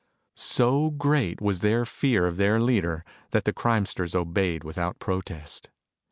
So great was their fear of their leader that the crimesters obeyed without protest.